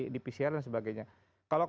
di pcr dan sebagainya kalau